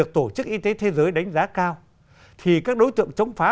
các đối tượng chống phá